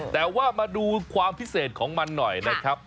แต่ว่ามาดูความพิเศษของมันหน่อยนะครับ